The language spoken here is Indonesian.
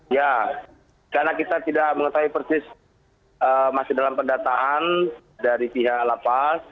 ya karena kita tidak mengetahui persis masih dalam pendataan dari pihak lapas